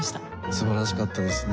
素晴らしかったですね